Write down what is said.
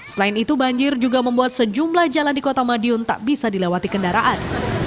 selain itu banjir juga membuat sejumlah jalan di kota madiun tak bisa dilewati kendaraan